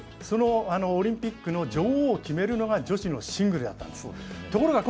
とにかく最後に、そのオリンピックの女王を決めるのが女子のシングルだったんです。